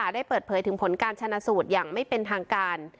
ได้เปิดเผยถึงผลการชนะสูตรอย่างไม่เป็นทางการ